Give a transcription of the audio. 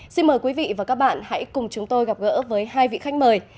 xin mời quý vị và các bạn hãy cùng chúng tôi gặp gỡ với hai vị khách mời